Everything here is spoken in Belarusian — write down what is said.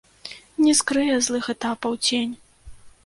Не скрые злых этапаў цень.